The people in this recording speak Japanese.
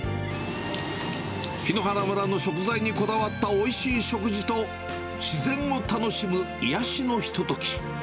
檜原村の食材にこだわったおいしい食事と、自然を楽しむ癒やしのひととき。